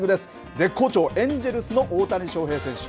絶好調、エンジェルスの大谷翔平選手